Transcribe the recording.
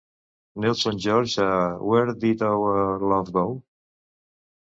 Nelson George a Where Did Our Love Go?